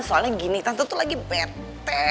soalnya gini tante tuh lagi bete